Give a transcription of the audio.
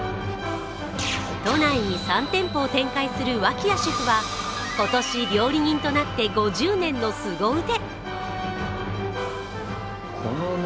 都内に３店舗を展開する脇屋シェフは今年、料理人となって５０年のすご腕。